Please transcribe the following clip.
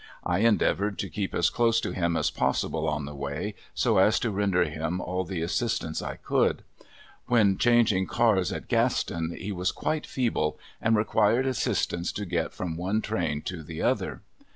I endeavored to keep as close to him as possible on the way, so as to render him all the assistance I could. When changing cars at Gaston he was quite feeble, and required assistance to get from one train to the other.